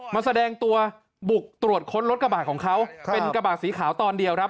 แสดงตัวบุกตรวจค้นรถกระบาดของเขาเป็นกระบาดสีขาวตอนเดียวครับ